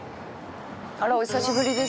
「あらお久しぶりです」